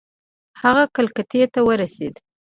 هغه کلکتې ته ورسېدی.